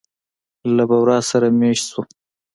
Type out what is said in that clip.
له بورا سره مېشت شوو.